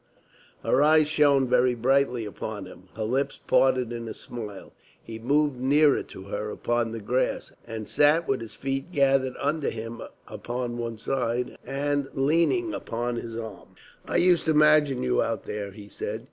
Her eyes shone very brightly upon him, her lips parted in a smile. He moved nearer to her upon the grass, and sat with his feet gathered under him upon one side, and leaning upon his arm. "I used to imagine you out there," he said.